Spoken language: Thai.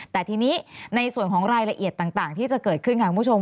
แต่ทีนี้ในส่วนของรายละเอียดต่างที่จะเกิดขึ้นค่ะคุณผู้ชม